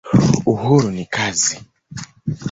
Uhuru ni kazi.